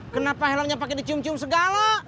kenapa helangnya pake dicium cium segala